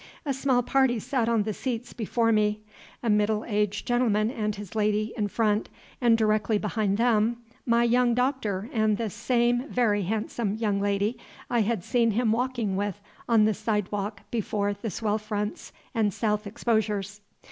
A small party sat on the seats before me: a middle aged gentleman and his lady, in front, and directly behind them my young doctor and the same very handsome young lady I had seen him walking with on the sidewalk before the swell fronts and south exposures.